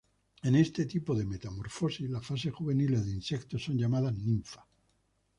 En este tipo de metamorfosis las fases juveniles de insectos son llamadas ninfas.